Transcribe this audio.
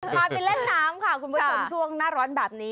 พาไปเล่นน้ำค่ะคุณผู้ชมช่วงหน้าร้อนแบบนี้